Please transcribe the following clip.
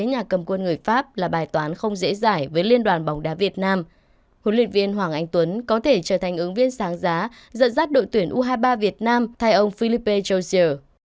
hồn luyện viên hoàng anh tuấn có thể trở thành ứng viên sáng giá dẫn dắt đội tuyển u hai mươi ba việt nam thay ông philippe jozier